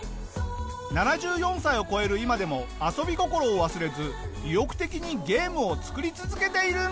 ７４歳を超える今でも遊び心を忘れず意欲的にゲームを作り続けているんだ！